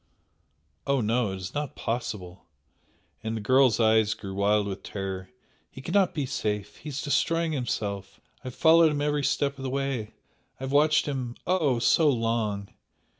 "Oh, no, it is not possible!" and the girl's eyes grew wild with terror "He cannot be safe! he is destroying himself! I have followed him every step of the way I have watched him, oh! so long!